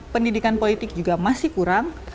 pendidikan politik juga masih kurang